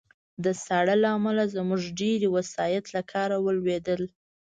د ساړه له امله زموږ ډېری وسایط له کار ولوېدل